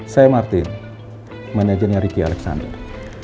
saya martin manajernya ricky alexander